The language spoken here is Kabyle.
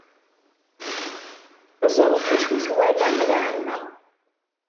Ẓret acu twala lɛamma.